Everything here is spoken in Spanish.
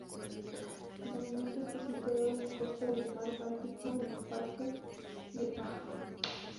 El monumento está situado en la costa del Mar Báltico en el parque Liepāja.